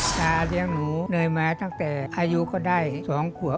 ชาเรียกหนูเนยแม้ตั้งแต่อายุเขาได้๒ขัว